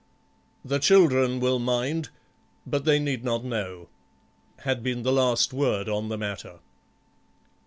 "The children will mind, but they need not know," had been the last word on the matter.